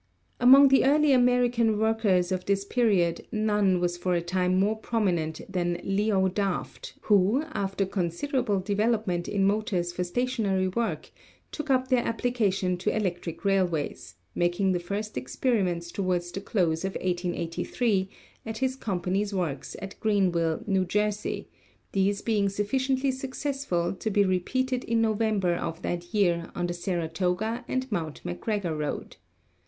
Among the early American workers of this period none was for a time more prominent than Leo Daft, who after considerable development in motors for stationary work took up their application to electric railways, making the first experiments toward the close of 1883 at his company's works at Greenville, N. J., these being sufficiently success ful to be repeated in November of that year on the Sara toga and Mt. McGregor road.